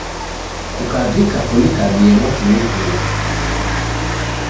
Kukavika kunikabie mwatulituli